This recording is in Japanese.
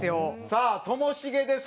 さあともしげですよ。